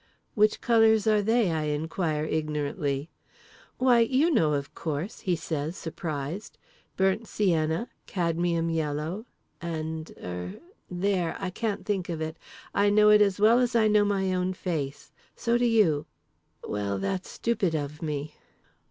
"Which colours are they?" I inquire ignorantly. "Why, you know of course," he says surprised. "Burnt sienna, cadmium yellow, and—er—there! I can't think of it. I know it as well as I know my own face. So do you. Well, that's stupid of me."